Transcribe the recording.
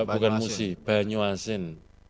bukan musi banyu asin